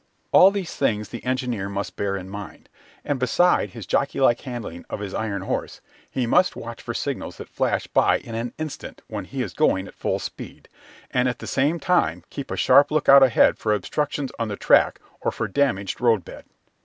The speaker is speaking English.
All these things the engineer must bear in mind, and beside his jockey like handling of his iron horse, he must watch for signals that flash by in an instant when he is going at full speed, and at the same time keep a sharp lookout ahead for obstructions on the track and for damaged roadbed.